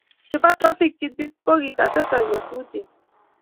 chebo trafikitit kogitotesak nyasusiet